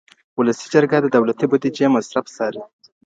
ولسي جرګه د دولتي بوديجې مصرف څاري.